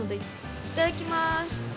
いただきます。